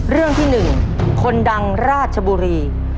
เรื่องที่๑คนดังราชบุรี